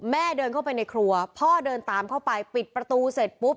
เดินเข้าไปในครัวพ่อเดินตามเข้าไปปิดประตูเสร็จปุ๊บ